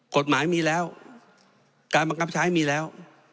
กฎหมายมีแล้วการบังคับใช้มีแล้ว